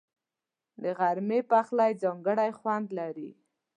د غرمې پخلی ځانګړی خوند لري